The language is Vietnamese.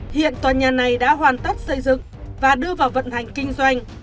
hiện tòa nhà này đã hoàn tất xây dựng và đưa vào vận hành kinh doanh